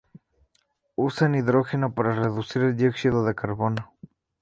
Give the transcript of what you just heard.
Usan hidrógeno para reducir el dióxido de carbono.